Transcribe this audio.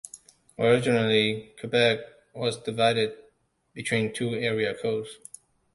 Originally, Quebec was divided between two area codes.